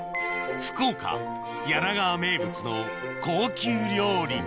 福岡・柳川名物の高級料理